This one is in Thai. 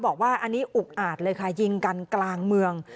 บอกว่าอันนี้อุกอาจเลยค่ะยิงกันกลางเมือง